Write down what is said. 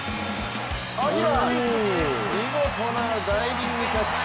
アギラール、見事なダイビングキャッチ。